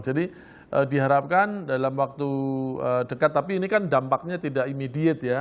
jadi diharapkan dalam waktu dekat tapi ini kan dampaknya tidak imidiat ya